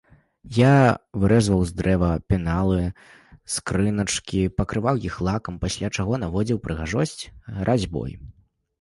Я вырэзваў з дрэва пеналы, скрыначкі, пакрываў іх лакам, пасля чаго наводзіў прыгажосць разьбой.